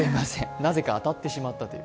なぜか当たってしまったという。